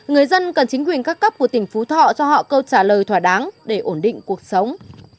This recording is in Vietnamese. người dân cần chính quyền các cấp của tỉnh phú thọ cho họ câu trả lời thỏa đáng để ổn định cuộc sống